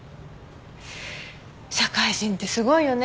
社会人ってすごいよね。